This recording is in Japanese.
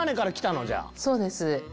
そうです！